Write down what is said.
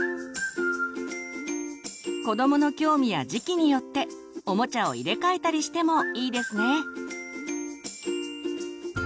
子どもの興味や時期によっておもちゃを入れ替えたりしてもいいですね。